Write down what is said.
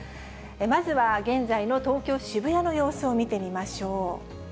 まずは現在の東京・渋谷の様子を見てみましょう。